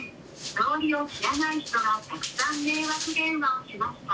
道理を知らない人がたくさん迷惑電話をしました。